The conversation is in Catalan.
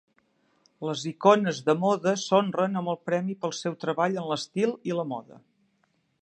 Les icones de moda s'honren amb el premi pel seu treball en l'estil i la moda.